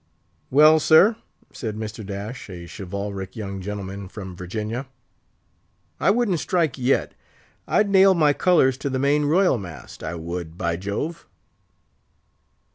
"Well, sir," said Mr. Dash, a chivalric young gentleman from Virginia, "I wouldn't strike yet; I'd nail my colours to the main royal mast! I would, by Jove!"